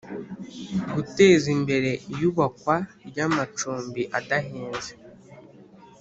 guteza imbere iyubakwa ry'amacumbi adahenze